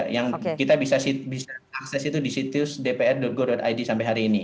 yang kita bisa akses itu di situs dpr go id sampai hari ini